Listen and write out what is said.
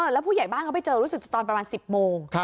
แล้วผู้ใหญ่บ้านเขาไปเจอรู้สึกตอนประมาณ๑๐โมง